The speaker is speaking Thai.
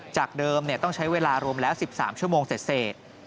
จากเดิมต้องใช้เวลารวมแล้ว๑๓ชั่วโมงเสร็จ